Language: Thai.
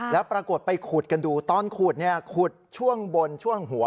แล้วปรากฏไปขุดกันดูตอนขุดขุดช่วงบนช่วงหัว